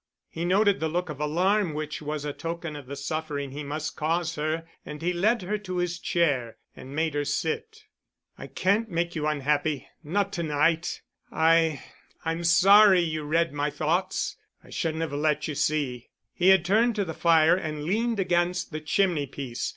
He noted the look of alarm which was a token of the suffering he must cause her and he led her to his chair and made her sit. "I can't make you unhappy—not to night. I—I'm sorry you read my thoughts. I shouldn't have let you see." He had turned to the fire and leaned against the chimney piece.